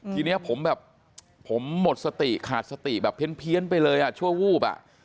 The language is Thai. ทีนี้ผมแบบผมหมดสติขาดสติแบบเพี้ยนไปเลยอ่ะชั่ววูบอ่ะ